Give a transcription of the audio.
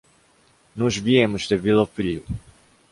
Nós viemos de Vilopriu.